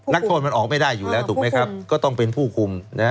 นักโทษมันออกไม่ได้อยู่แล้วถูกไหมครับก็ต้องเป็นผู้คุม